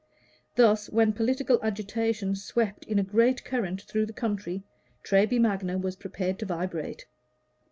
Thus, when political agitation swept in a current through the country, Treby Magna was prepared to vibrate.